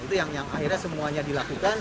itu yang akhirnya semuanya dilakukan